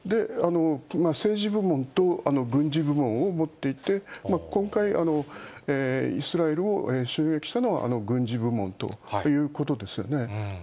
政治部門と軍事部門を持っていて、今回、イスラエルを襲撃したのは軍事部門ということですよね。